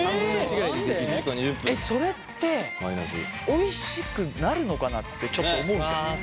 それっておいしくなるのかなってちょっと思うじゃない。